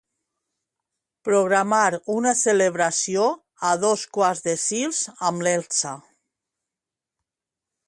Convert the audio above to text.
Programar una celebració a dos quarts de sis amb l'Elsa.